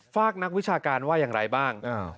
ฝากนักวิชาการว่าอย่างไรบ้าง